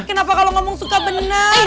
kenapa kalau ngomong suka benak